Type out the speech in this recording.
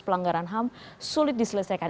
pelanggaran ham sulit diselesaikan